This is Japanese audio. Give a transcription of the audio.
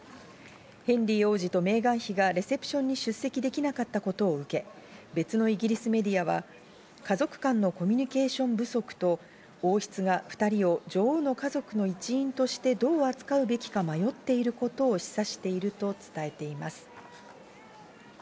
ヘンリー王子とメーガン妃がレセプションに出席できなかったことを受け、別のイギリスメディアは、家族間のコミュニケーション不足と、王室が２人を女王の家族の一員としてどう扱うべきか迷っていることを示唆していると伝えています。